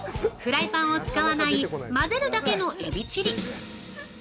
フライパンを使わない混ぜるだけのエビチリ。